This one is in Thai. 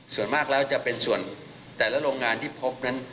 ส่วนมากแล้วจะเป็นส่วนแต่ละโรงงานที่พบนั้น